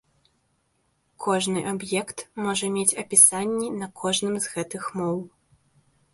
Кожны аб'ект можа мець апісанні на кожным з гэтых моў.